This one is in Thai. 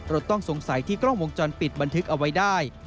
ต้องสงสัยที่กล้องวงจรปิดบันทึกเอาไว้ได้